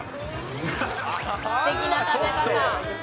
すてきな食べ方。